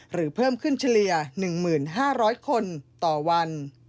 เพิ่มขึ้นเฉลี่ย๑๕๐๐คนต่อวัน